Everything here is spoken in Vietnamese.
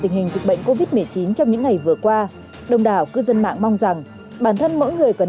dịch bệnh covid một mươi chín trong những ngày vừa qua đồng đảo cư dân mạng mong rằng bản thân mỗi người cần